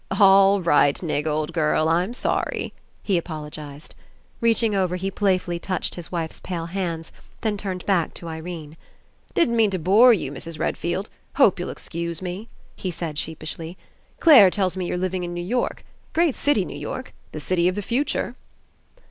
"All right. Nig, old girl. I'm sorry," he apologized. Reaching over, he playfully touched his wife's pale hands, then turned back to Irene. '^Didn't mean to bore you, Mrs. Red field. Hope you'll excuse me," he said sheep ishly. "Clare tells me you're living in New York. Great city. New York. The city of the future."